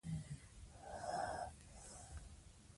د تېرو تېروتنو څخه عبرت واخلئ.